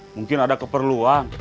mungkin ada keperluan